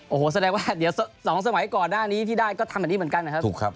โอ้โหแสดงว่าเดี๋ยว๒สมัยก่อนหน้านี้ที่ได้ก็ทำแบบนี้เหมือนกันนะครับ